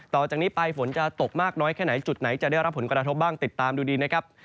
ต่อจากนี้ไปฝนจะตกมากน้อยแค่ไหนจุดไหนจะได้รับผลกระทบบ้างติดตามดูดีนะครับ